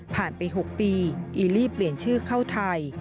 ไป๖ปีอีลีเปลี่ยนชื่อเข้าไทย